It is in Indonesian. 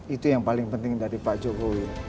itu yang paling penting dari pak jokowi